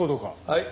はい。